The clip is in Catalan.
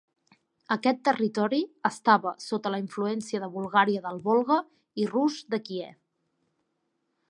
Aquest territori estava sota la influència de Bulgària del Volga i Rus de Kiev.